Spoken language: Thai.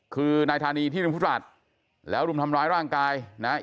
คือนายธานีที่รุมพุทธบาทแล้วรุมทำร้ายร่างกายนะฮะ